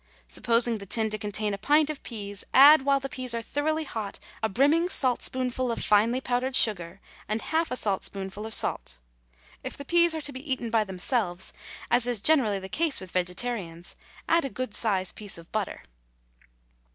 Supposing the tin to contain a pint of peas, add while the peas are thoroughly hot a brimming saltspoonful of finely powdered sugar, and half a saltspoonful of salt. If the peas are to be eaten by themselves, as is generally the case with vegetarians, add a good sized piece of butter.